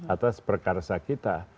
atas perkarsa kita